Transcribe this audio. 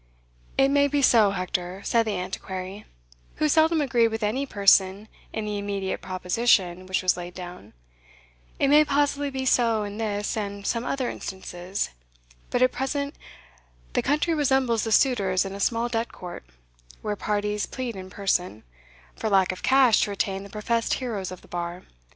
"It may be so, Hector," said the Antiquary, who seldom agreed with any person in the immediate proposition which was laid down "it may possibly be so in this and some other instances; but at present the country resembles the suitors in a small debt court, where parties plead in person, for lack of cash to retain the professed heroes of the bar.